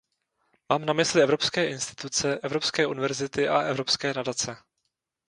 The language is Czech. Mám na mysli evropské instituce, evropské univerzity a evropské nadace.